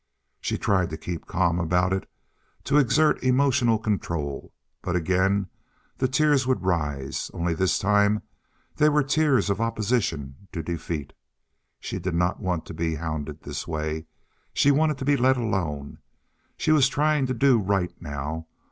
She tried to keep calm about it, to exert emotional control, but again the tears would rise, only this time they were tears of opposition to defeat. She did not want to be hounded this way. She wanted to be let alone. She was trying to do right now.